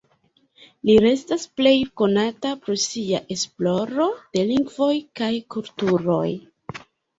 Li restas plej konata pro sia esploro de lingvoj kaj kulturoj.